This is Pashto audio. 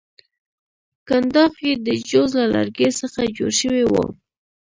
کنداغ یې د جوز له لرګي څخه جوړ شوی وو.